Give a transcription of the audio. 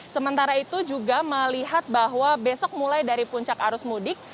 sementara itu juga melihat bahwa besok mulai dari puncak arus mudik